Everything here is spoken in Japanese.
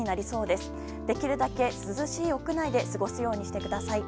できるだけ涼しい屋内で過ごすようにしてください。